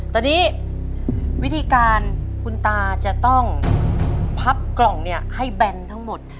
ตอนนี้วิธีการคุณตาจะต้องพับกล่องเนี่ยให้แบนทั้งหมด